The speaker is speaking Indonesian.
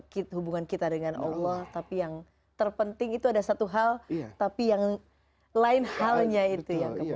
kita hubungan kita dengan allah tapi yang terpenting itu ada satu hal tapi yang lain halnya itu yang kemudian